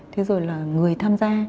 thế rồi là người tham gia